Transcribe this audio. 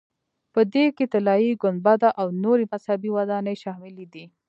په دې کې طلایي ګنبده او نورې مذهبي ودانۍ شاملې دي.